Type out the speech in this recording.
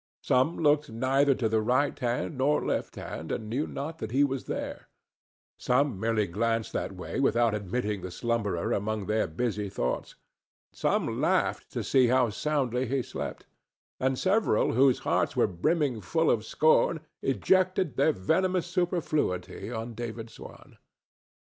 Some looked neither to the right hand nor the left and knew not that he was there; some merely glanced that way without admitting the slumberer among their busy thoughts; some laughed to see how soundly he slept, and several whose hearts were brimming full of scorn ejected their venomous superfluity on David Swan.